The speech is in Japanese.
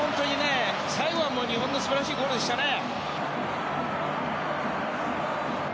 最後は日本の素晴らしいゴールでしたね。